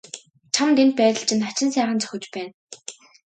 Чамд энэ байдал чинь хачин сайхан зохиж байна.